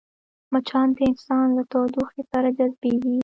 مچان د انسان له تودوخې سره جذبېږي